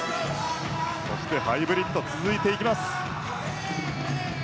そしてハイブリッドが続きます。